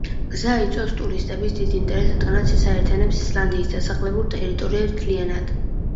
გზა იწვევს ტურისტების დიდ ინტერესს, რადგანაც ის აერთიანებს ისლანდიის დასახლებულ ტერიტორიებს მთლიანად.